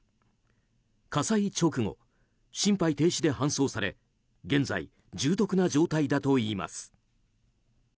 火災直後、心肺停止で搬送され現在、重篤な状態だといいます。